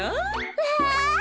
うわ！